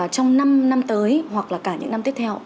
trong năm năm tới hoặc là cả những năm tiếp theo